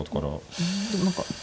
うんでも何か。